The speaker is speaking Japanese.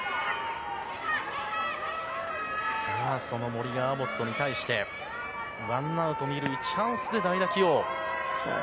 さあ、その森がアボットに対してワンアウト２塁チャンスで代打起用。